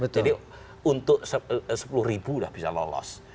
jadi untuk sepuluh ribu udah bisa lolos